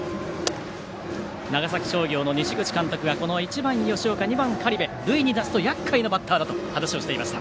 長崎商業の西口監督がこの１番、吉岡２番、苅部は塁に出すとやっかいなバッターだと話をしていました。